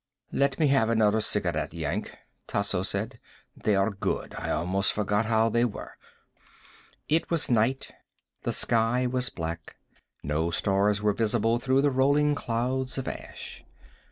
"Let me have another cigarette, Yank," Tasso said. "They are good. I almost forgot how they were." It was night. The sky was black. No stars were visible through the rolling clouds of ash.